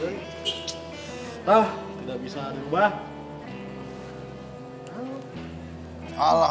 ah tidak bisa dirubah